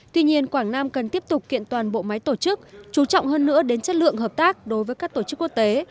tuy nhiên quảng nam cần tiếp tục kiện toàn bộ máy tổ chức chú trọng hơn nữa đến chất lượng hợp tác đối với các tổ chức quốc tế